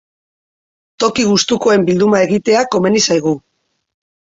Toki gustukoen bilduma egitea komeni zaigu.